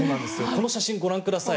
この写真、ご覧ください。